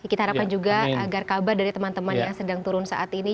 kita harapkan juga agar kabar dari teman teman yang sedang turun saat ini